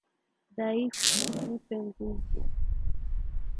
Dhaifu, nipe nguvu,